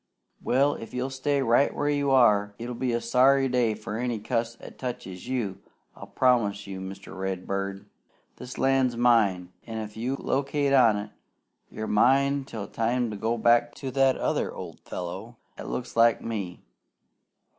"Well, if you'll stay right where you are, it 'ull be a sorry day for any cuss 'at teches you; 'at I'll promise you, Mr. Redbird. This land's mine, an' if you locate on it, you're mine till time to go back to that other old fellow 'at looks like me.